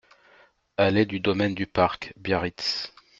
Allée du Domaine du Parc, Biarritz